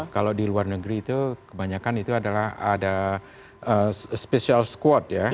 kalau di luar negeri itu kebanyakan itu adalah ada special squad ya